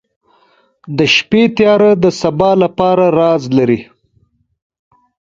• د شپې تیاره د سبا لپاره راز لري.